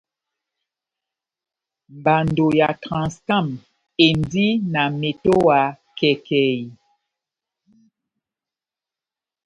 Mbando ya Transcam endi na metowa kɛkɛhi.